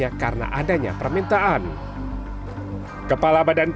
jika bekerja di negara tujuan